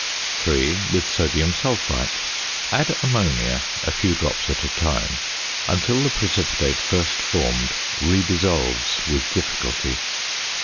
3. With Sodium Sulphite. Add ammonia (a few drops at a time) until the precipitate first formed redissolves with difficulty.